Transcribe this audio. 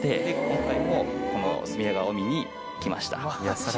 今回もこの隅田川を見に来ました。